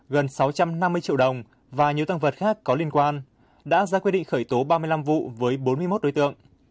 gần sáu trăm năm mươi triệu đồng và nhiều tăng vật khác có liên quan đã ra quyết định khởi tố ba mươi năm vụ với bốn mươi một đối tượng